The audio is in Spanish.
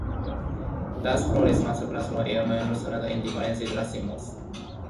Las flores masculinas y femeninas en diferentes racimos.